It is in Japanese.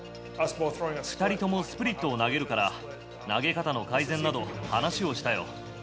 ２人ともスプリットを投げるから、投げ方の改善など話をしたよ。